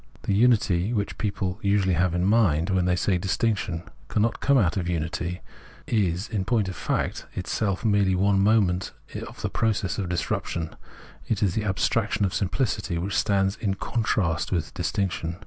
The unity which people usually have in mind when they say distinction cannot come out of unity, is, in poiut of fact, itself merely one moment of the process of disruption ; it is the ab straction of simpHcity, which stands in contrast with dis tinction.